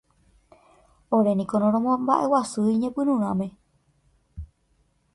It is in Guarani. Oréniko noromomba'eguasúi ñepyrũrãme.